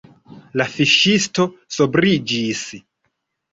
La fiŝisto sobriĝis.